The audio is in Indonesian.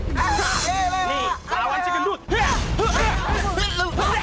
nih lawan si gendut